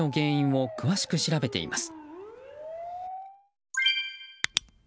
警察と消防が火事の原因を詳しく調べています。